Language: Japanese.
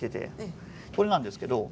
これなんですけど。